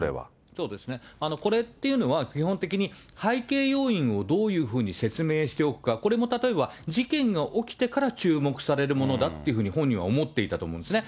そうですね、これっていうのは基本的に背景要因をどういうふうに説明しておくか、これも例えば事件が起きてから注目されるものだっていうふうに、本人は思っていたと思うんですね。